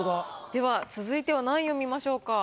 では続いては何位を見ましょうか？